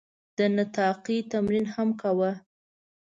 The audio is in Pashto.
د نطاقي تمرین هم کاوه.